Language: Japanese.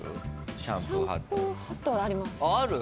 シャンプーハットはあります。